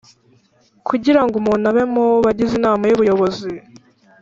Kugira ngo umuntu abe mu bagize inama y ubuyobozi